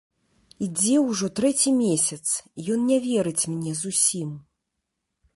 Ідзе ўжо трэці месяц, ён не верыць мне зусім.